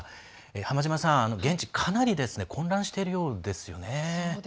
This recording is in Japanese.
浜島さん、現地かなり混乱しているようですよね。